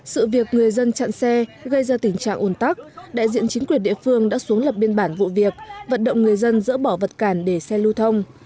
sự việc người dân chặn xe gây ra tình trạng ồn tắc đại diện chính quyền địa phương đã xuống lập biên bản vụ việc vận động người dân dỡ bỏ vật cản để xe lưu thông